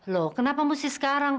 loh kenapa mesti sekarang